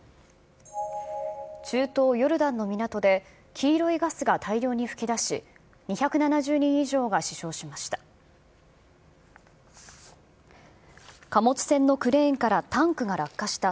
中東ヨルダンの港で、黄色いガスが大量に噴き出し、２７０人以上が死傷しました。